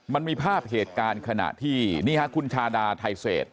มันมีภาพเหตุการณ์ขณะที่นี่ฮะคุณชาดาไทเศษ